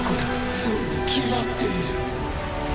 そうに決まっている。